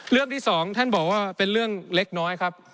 เรื่องที่สองท่านบอกว่าเป็นเรื่องเล็กน้อยครับ